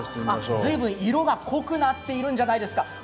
随分、色が濃くなったんじゃないでしょうか。